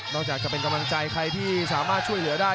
จากจะเป็นกำลังใจใครที่สามารถช่วยเหลือได้